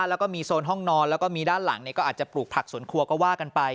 แล้วก็มีโซนห้องนอนแล้วก็มีด้านหลังก็อาจจะปลูกผักสวนครัวก็ว่ากันไป